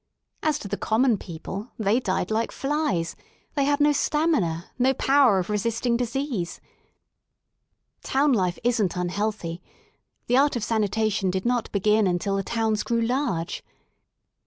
As to the common people, they died like flies: they had no stamina, no power of resisting disease. Town life isn't unhealthy: the art of sanitation did not begin until the towns grew large.